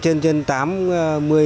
chúng tôi đã phát động được